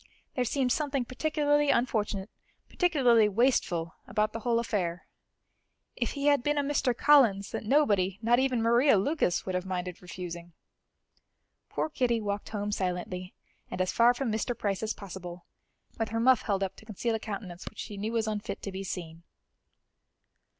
There seemed something particularly unfortunate, particularly wasteful, about the whole affair! If he had been a Mr. Collins, that nobody, not even Maria Lucas, would have minded refusing! Poor Kitty walked home silently, and as far from Mr. Price as possible, with her muff held up to conceal a countenance which she knew was unfit to be seen.